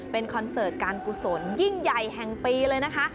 เป็นคอนเสิร์ตการกุศลยิ่งใหญ่แห่งปีเลยนะคะ